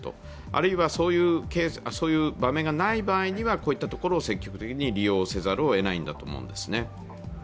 あるいは、そういう場面がない場合にはこういったところを積極的に利用せざるをえないんだろうと思います。